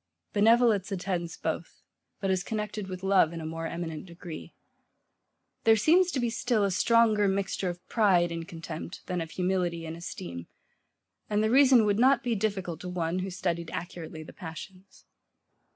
Benevolence attends both; but is connected with love in a more eminent degree. There seems to be still a stronger mixture of pride in contempt than of humility in esteem; and the reason would not be difficulty to one, who studied accurately the passions.